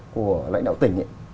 của lãnh đạo tỉnh